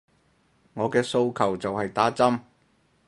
我嘅訴求就係打針